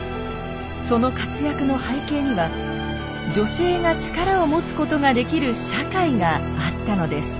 その活躍の背景には女性が力を持つことができる社会があったのです。